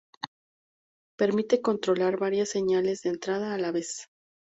Permiten controlar varias señales de entrada a la vez.